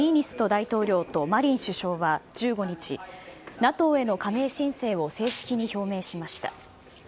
大統領とマリン首相は１５日、ＮＡＴＯへの加盟申請を正式に表明しました。